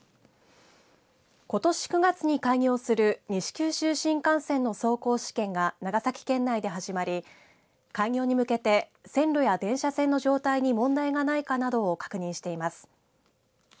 ことし９月に開業する西九州新幹線の走行試験が長崎県内で始まり、開業に向けて線路や電車線の状態に問題がないかなどを確認しています。